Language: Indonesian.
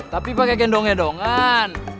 tapi pake gendong gendongan